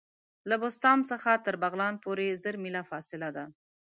له بسطام څخه تر بغلان پوري زر میله فاصله ده.